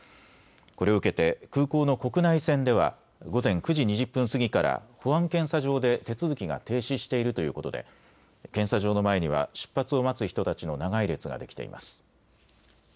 これを受けて空港の国内線では午前９時２０分過ぎから保安検査場で手続きが停止しているということで検査場の前には出発を待つ人たちの長い列ができています。